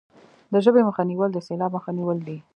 د ژبې مخه نیول د سیلاب مخه نیول دي.